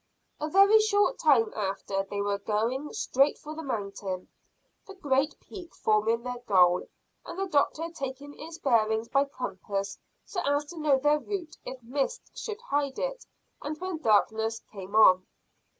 A very short time after they were going straight for the mountain the great peak forming their goal, and the doctor taking its bearings by compass so as to know their route if mist should hide it, and when darkness came on.